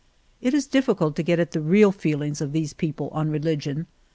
It is difficult to get at the real feelings of these people on religion.